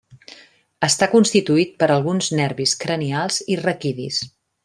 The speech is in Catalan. Està constituït per alguns nervis cranials i raquidis.